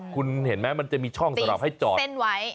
คุณเห็นไหมมันจะมีช่องสำหรับให้จอดเส้นไว้